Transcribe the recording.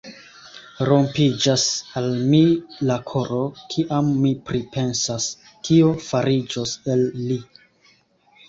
Rompiĝas al mi la koro, kiam mi pripensas, kio fariĝos el li!